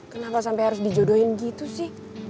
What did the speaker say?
kenapa sampai harus dijodohin gitu sih